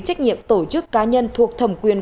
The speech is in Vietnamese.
trách nhiệm tổ chức cá nhân thuộc thẩm quyền